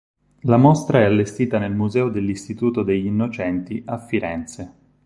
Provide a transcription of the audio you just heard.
La mostra è allestita nel Museo dell'Istituto degli Innocenti a Firenze.